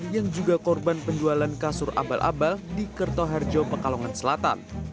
yang juga korban penjualan kasur abal abal di kertoharjo pekalongan selatan